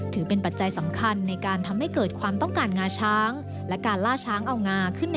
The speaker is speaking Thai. ถือเป็นปัจจัยสำคัญในการทำให้เกิดความต้องการงาช้าง